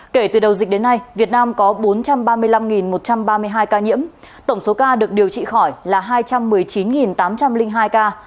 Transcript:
kể từ đầu dịch đến nay việt nam có bốn trăm ba mươi năm một trăm ba mươi hai ca nhiễm tổng số ca được điều trị khỏi là hai trăm một mươi chín tám trăm linh hai ca